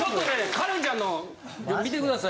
カレンちゃんの見てください